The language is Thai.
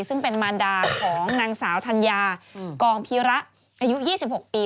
ซึ่งเป็นมารดาของนางสาวธัญญากองพีระอายุ๒๖ปี